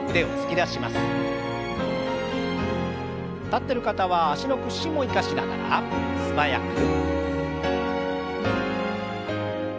立ってる方は脚の屈伸も生かしながら素早く。